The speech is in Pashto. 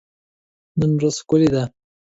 نن ورځ ښکلي ده.